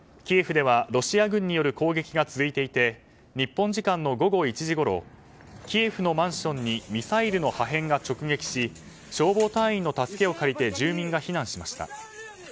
キエフではロシア軍による攻撃が続いていて日本時間の午後１時ごろキエフのマンションにミサイルの破片が直撃し消防隊員の助けを借りて住民が避難しました。